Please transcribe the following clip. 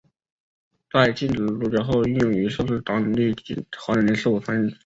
在禁止基督教后亦用于测试进入当地的荷兰人是否传教士。